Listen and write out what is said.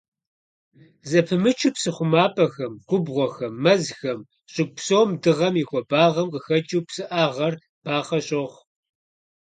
Зэпымычу псы хъумапӀэхэм, губгъуэхэм, мэзхэм, щӀыгу псом дыгъэм и хуабагъэм къыхэкӀыу псыӀагъэр бахъэ щохъу.